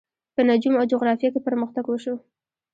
په نجوم او جغرافیه کې پرمختګ وشو.